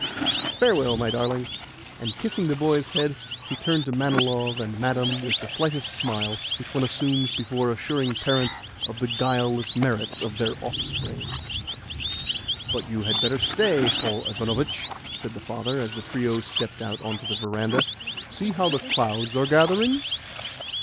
Farewell, my darling." And, kissing the boy's head, he turned to Manilov and Madame with the slight smile which one assumes before assuring parents of the guileless merits of their offspring. "But you had better stay, Paul Ivanovitch," said the father as the trio stepped out on to the verandah. "See how the clouds are gathering!"